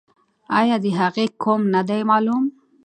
آیا د هغې قوم نه دی معلوم؟